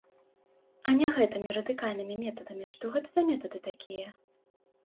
А не гэтымі радыкальнымі метадамі, што гэта за метады такія?